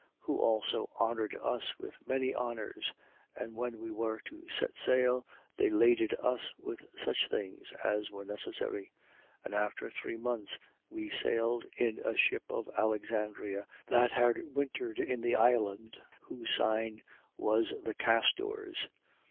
28:10. Who also honoured us with many honours: and when we were to set sail, they laded us with such things as were necessary. 28:11. And after three months, we sailed in a ship of Alexandria, that had wintered in the island, whose sign was the Castors.